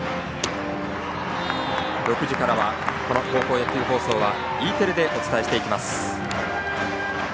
６時からは高校野球放送はＥテレでお伝えしていきます。